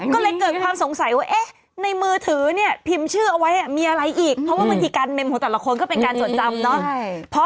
ก็เลยเกิดความสงสัยว่าเอ๊ะในมือถือเนี่ยพิมพ์ชื่อเอาไว้มีอะไรอีกเพราะว่าบางทีการเมมของแต่ละคนก็เป็นการจดจำเนาะ